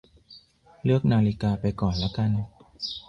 เลือกนาฬิกาไปก่อนละกัน